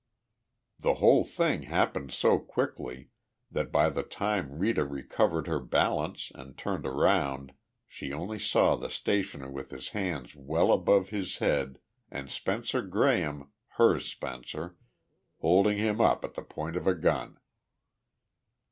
The whole thing happened so quickly that by the time Rita recovered her balance and turned around she only saw the stationer with his hands well above his head and Spencer Graham her Spencer holding him up at the point of a gun.